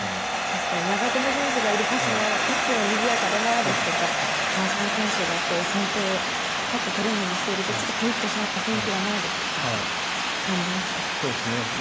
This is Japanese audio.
長友選手がいる輪はいつもにぎやかですとか川島選手が先頭に立ってトレーニングしてるとちょっとピリッとした雰囲気だなとか感じました。